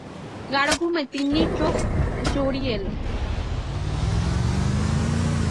গাঢ় ঘুমে তিন্নির চোখ জড়িয়ে এল।